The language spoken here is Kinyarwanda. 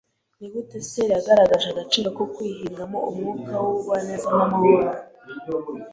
Ni gute Esiteri yagaragaje agaciro ko kwihingamo umwuka w ubugwaneza n amahoro